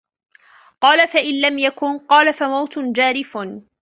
قَالَ فَإِنْ لَمْ يَكُنْ ؟ قَالَ فَمَوْتٌ جَارِفٌ